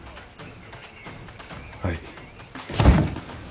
はい。